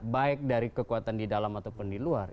baik dari kekuatan di dalam ataupun di luar